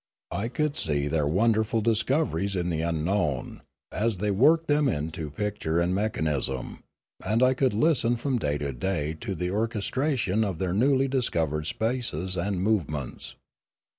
I could see their wonderful discoveries in the unknown, as they worked them into picture and mechanism, and I could listen from day to day to the orchestration of their newly discovered spaces and movements.